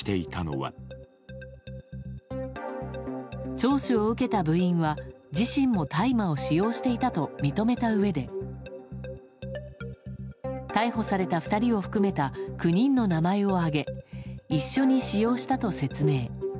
聴取を受けた部員は自身も大麻を使用していたと認めたうえで逮捕された２人を含めた９人の名前を挙げ一緒に使用したと説明。